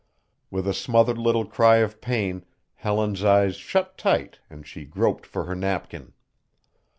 With a smothered little cry of pain Helen's eyes shut tight and she groped for her napkin.